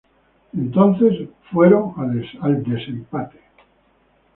Entonces fueron a desempate.